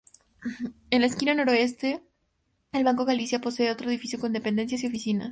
En la esquina noroeste, el Banco Galicia posee otro edificio con dependencias y oficinas.